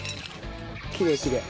きれいきれい。